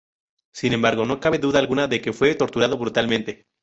Sin embargo, no cabe duda alguna de que fue torturado brutalmente.